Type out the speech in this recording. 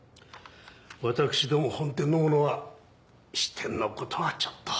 私ども本店の者は支店のことはちょっと。